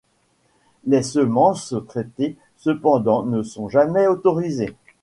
Les semences traitées cependant ne sont jamais autorisées.